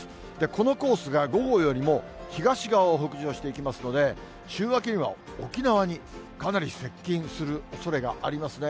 このコースが５号よりも東側を北上していきますので、週明けには沖縄にかなり接近するおそれがありますね。